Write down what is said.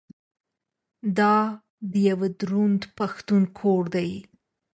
دا د یوه دروند پښتون کور دی.